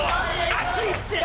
熱いって！